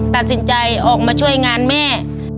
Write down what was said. ตัดสินใจออกมาช่วยงานแม่